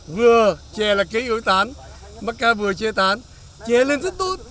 vừa chè là cây ối tán mắc ca vừa chê tán chê lên rất tốt